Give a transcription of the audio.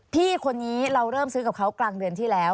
พี่คนนี้เราเริ่มซื้อกับเขากลางเดือนที่แล้ว